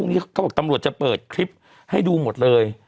เขาบอกตำรวจจะเปิดคลิปให้ดูหมดเลย